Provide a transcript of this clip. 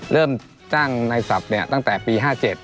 เริ่มจ้างในศัพท์ตั้งแต่ปี๕๗